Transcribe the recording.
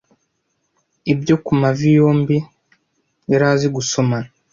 ibyo kumavi yombi yari azi gusomana